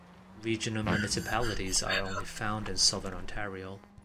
Regional municipalities are found only in Southern Ontario.